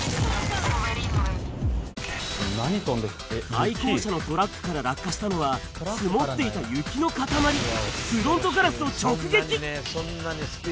対向車のトラックから落下したのは積もっていた雪の塊フロントガラスを直撃！